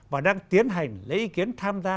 và đang tiến hành lấy ý kiến tham gia